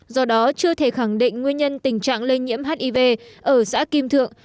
do đó chưa thể khẳng định nguyên nhân tình trạng lây nhiễm hiv ở xã kim thượng